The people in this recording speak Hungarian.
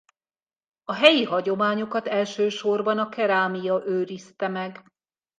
A helyi hagyományokat elsősorban a kerámia őrizte meg.